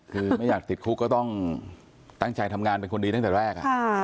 คือไม่อยากติดคุกก็ต้องตั้งใจทำงานเป็นคนดีตั้งแต่แรก